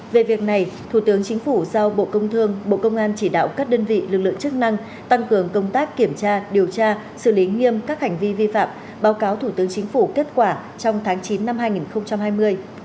về việc này thủ tướng chính phủ giao bộ công thương bộ công an chỉ đạo các đơn vị lực lượng chức năng tăng cường công tác kiểm tra điều tra xử lý nghiêm các hành vi vi phạm báo cáo thủ tướng chính phủ kết quả trong tháng chín năm hai nghìn hai mươi